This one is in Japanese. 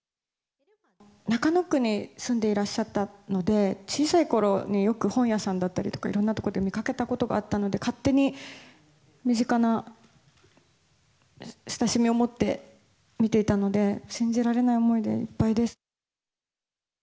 中野区に住んでいらっしゃったので、小さいころによく本屋さんだったりとか、いろんな所で見かけたことがあったので、勝手に身近な、親しみを持って見ていたので、信じられない思いでいっぱいです。